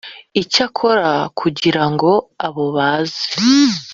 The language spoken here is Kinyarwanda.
Icyakora kugira ngo abo baze